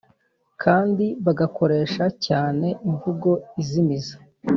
kandi bagakoresha cyane imvugo izimiza.